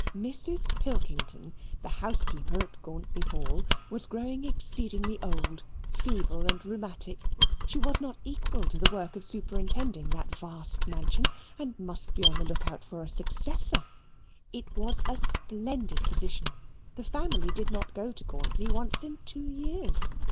Mrs. Pilkington, the housekeeper at Gauntly Hall, was growing exceedingly old, feeble, and rheumatic: she was not equal to the work of superintending that vast mansion, and must be on the look out for a successor. It was a splendid position. The family did not go to Gauntly once in two years.